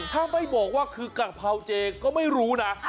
ถ้าไม่บอกว่าคือกะเพราเจก็ไม่รู้นะ